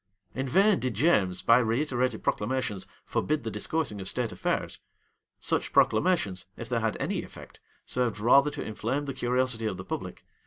In vain did James, by reiterated proclamations, forbid the discoursing of state affairs.[v] Such proclamations, if they had any effect, served rather to inflame the curiosity of the public.